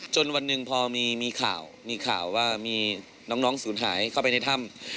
วันหนึ่งพอมีข่าวมีข่าวว่ามีน้องศูนย์หายเข้าไปในถ้ำ